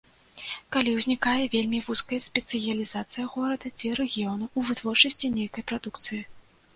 Калі ўзнікае вельмі вузкая спецыялізацыя горада ці рэгіёна ў вытворчасці нейкай прадукцыі.